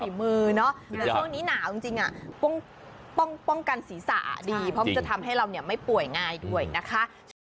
ช่วงนี้หนาวจริงป้องกันศีรษะดีเพราะมันจะทำให้เราไม่ป่วยง่ายด้วยนะคะ